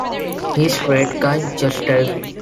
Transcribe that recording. He's a great guy, just terrific.